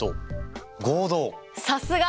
さすが！